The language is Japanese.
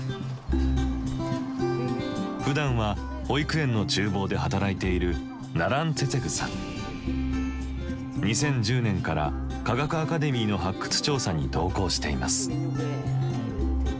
ふだんは保育園の厨房で働いている２０１０年から科学アカデミーの発掘調査に同行しています。